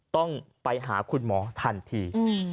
ต้องไปหาคุณหมอทันที